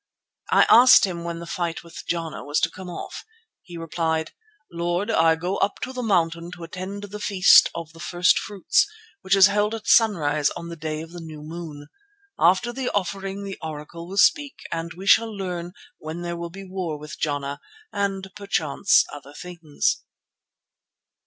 I asked him when the fight with Jana was to come off. He replied: "Lord, I go up to the Mountain to attend the Feast of the First fruits, which is held at sunrise on the day of the new moon. After the offering the Oracle will speak and we shall learn when there will be war with Jana, and perchance other things."